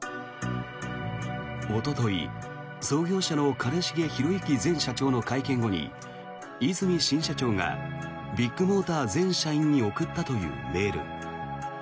おととい、創業者の兼重宏行前社長の会見後に和泉新社長がビッグモーター全社員に送ったというメール。